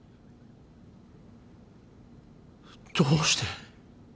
どうして？